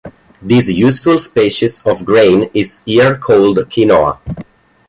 This useful species of grain is here called quinoa.